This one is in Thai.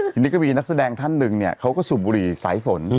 ทีนี้ก็มีนักแสดงท่านหนึ่งเนี่ยเขาก็สูบบุหรี่สายฝน